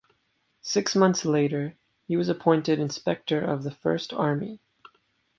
Six months later, he was appointed Inspector of the First Army.